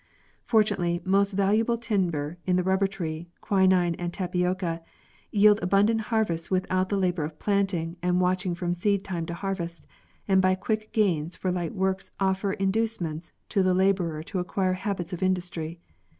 Fortunately, most valuable timber, the rubber tree, quinine, and tapioca yield abundant harvests with out the labor of planting and watching from seed time to har vest, and by quick gains for light work offer inducements to the laborer to acquire habits of industry.